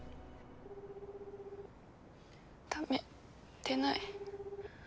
駄目出ない。